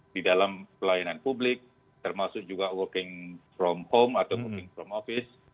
di dalam pelayanan publik termasuk juga working from home atau working from office